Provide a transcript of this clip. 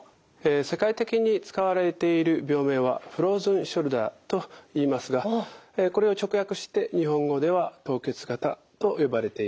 世界的に使われている病名はｆｒｏｚｅｎｓｈｏｕｌｄｅｒといいますがこれを直訳して日本語では凍結肩と呼ばれています。